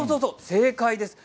正解です。